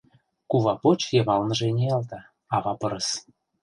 Кува поч йымалныже ниялта: ава пырыс.